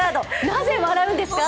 なぜ笑うんですか。